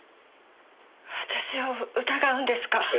私を疑うんですか？